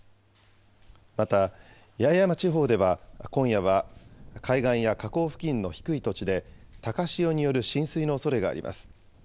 また、八重山地方では今夜は海岸や河口付近の低い土地で高潮による浸水のおそれがあります。